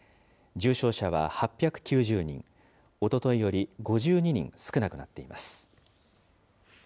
重症者は８９０人、おとといより５２人少なくなっています。